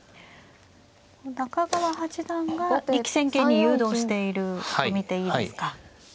中川八段が力戦形に誘導していると見ていいですか。